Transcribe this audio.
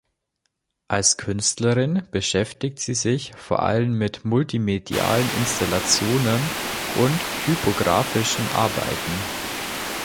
Als Künstlerin beschäftigt sie sich vor allem mit multimedialen Installationen und typografischen Arbeiten.